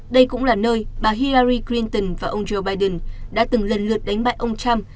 đây cũng là nơi bà hirari clinton và ông joe biden đã từng lần lượt đánh bại ông trump